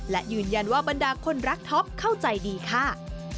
และยืนยันว่าบรรดาคนรักท็อปเข้าใจดีค่ะ